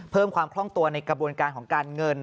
เพิ่มความคล่องตัวในกระบวนการของการเงิน